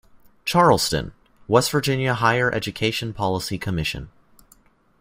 Charleston: West Virginia Higher Education Policy Commission.